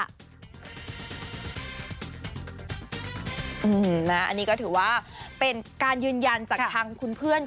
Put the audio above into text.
อันนี้ก็ถือว่าเป็นการยืนยันจากทางคุณเพื่อน